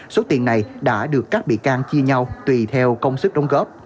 số tiền này đã được các bị can chia nhau tùy theo công sức đóng góp